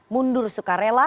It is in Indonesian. mundur suka rela